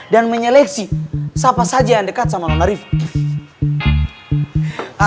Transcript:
dan menyeleksi siapa saja yang dekat sama nona riva